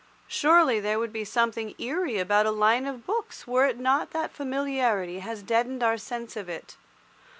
Surely there would be something eerie about a line of books were it not that familiarity has deadened our sense of it.